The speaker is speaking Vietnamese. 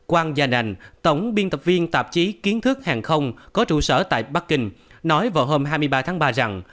wang jianan tổng biên tập viên tạp chí kiến thức hàng không có trụ sở tại bắc kinh nói vào hôm hai mươi ba tháng ba rằng